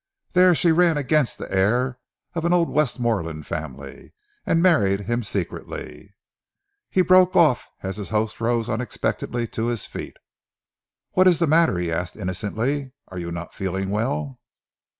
There she ran against the heir of an old Westmorland family, and married him secretly " He broke off as his host rose unexpectedly to his feet. "What is the matter?" he asked innocently. "Are you not feeling well?"